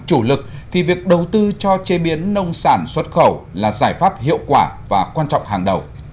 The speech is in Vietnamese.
chủ lực thì việc đầu tư cho chế biến nông sản xuất khẩu là giải pháp hiệu quả và quan trọng hàng đầu